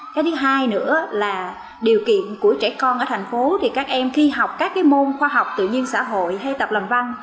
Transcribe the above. cái thứ hai nữa là điều kiện của trẻ con ở thành phố thì các em khi học các môn khoa học tự nhiên xã hội hay tập làm văn